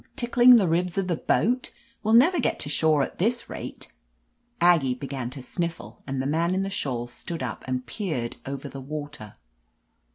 Tickling the ribs of the boat? We'll never get to shore at this rate !" Aggie began to sniffle, and the man in the shawl stood up and peered over the water.